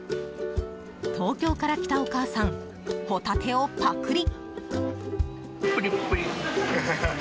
東京から来たお母さんホタテをパクリ！